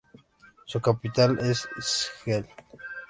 Su capital es Szeged.